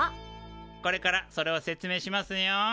これからそれを説明しますよ。